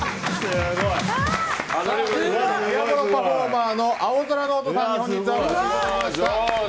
ディアボロパフォーマーの青宙ノートさんに本日はお越しいただきました。